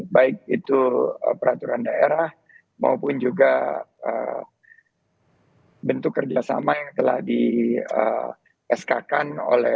baik itu peraturan daerah maupun juga bentuk kerjasama yang telah di sk kan oleh